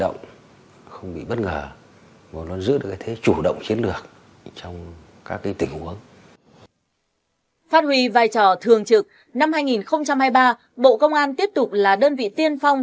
năm hai nghìn hai mươi ba bộ công an tiếp tục là đơn vị tiên phong